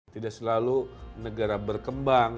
tidak selalu negara berkembang